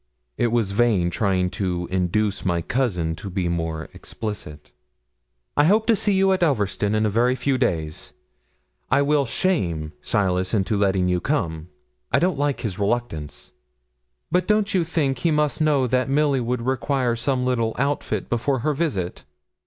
It was vain trying to induce my cousin to be more explicit. 'I hope to see you at Elverston in a very few days. I will shame Silas into letting you come. I don't like his reluctance.' 'But don't you think he must know that Milly would require some little outfit before her visit?'